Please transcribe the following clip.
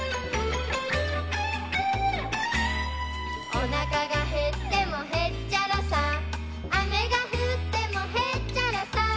「おなかがへってもへっちゃらさ」「雨が降ってもへっちゃらさ」